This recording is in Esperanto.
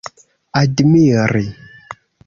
admiri